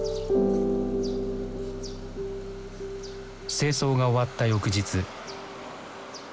清掃が終わった翌日。